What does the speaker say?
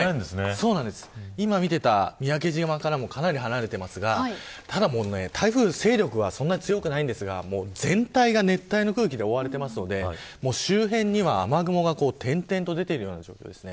今、見ていた三宅島からもかなり離れていますがただ、台風の勢力はそんなに強くないんですが全体が熱帯の空気で覆われていますので周辺には雨雲が点々と出ている状況です。